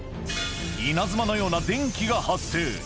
稲妻のような電気が発生。